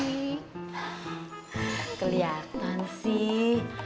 hah keliatan sih